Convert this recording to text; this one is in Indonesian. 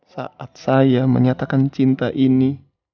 saat saya menyatakan cinta ini